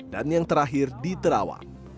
dan yang terakhir diterawang